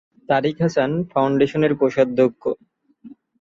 তারিক হাসান ফাউন্ডেশনের কোষাধ্যক্ষ।